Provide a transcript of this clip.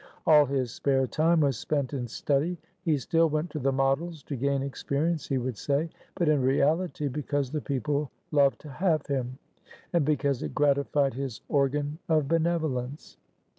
All his spare time was spent in study. He still went to the Models, to gain experience he would say, but in reality because the people loved to have him, and because it gratified his organ of benevolence.